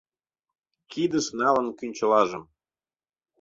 Кидыш налын кӱнчылажым